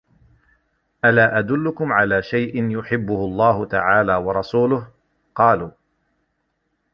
أَلَا أَدُلُّكُمْ عَلَى شَيْءٍ يُحِبُّهُ اللَّهُ تَعَالَى وَرَسُولُهُ ؟ قَالُوا